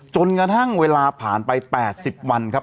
จนกระทั่งเวลาผ่านไป๘๐วันครับ